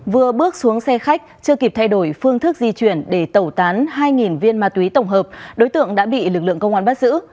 vừa bước xuống xe khách chưa kịp thay đổi phương thức di chuyển để tẩu tán hai viên ma túy tổng hợp đối tượng đã bị lực lượng công an bắt giữ